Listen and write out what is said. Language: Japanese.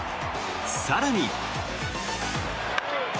更に。